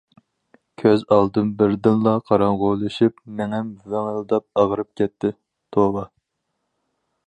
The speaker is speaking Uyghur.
كۆز ئالدىم بىردىنلا قاراڭغۇلىشىپ، مېڭەم ۋىڭىلداپ ئاغرىپ كەتتى، توۋا!